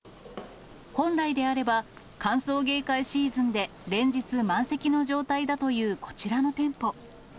本来であれば、歓送迎会シーズンで、連日、満席の状態だというこちらの店舗。